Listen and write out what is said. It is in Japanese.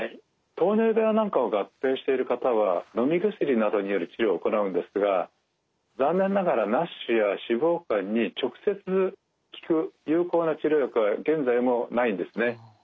糖尿病なんかを合併している方はのみ薬などによる治療を行うんですが残念ながらＮＡＳＨや脂肪肝に直接効く有効な治療薬は現在もないんですね。